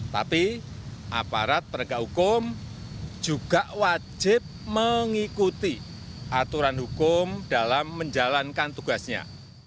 tapi aparat penegak hukum juga wajib mengikuti aturan hukum dalam menjalankan tugasnya